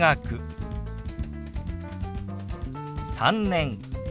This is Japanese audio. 「３年」。